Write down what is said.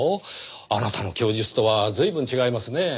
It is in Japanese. あなたの供述とは随分違いますねぇ。